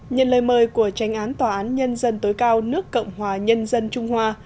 nhân lời mời của tranh án tòa án nhân dân tối cao nước cộng hòa nhân dân trung hoa